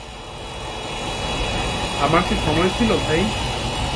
আমার কি সময় ছিল ভাই?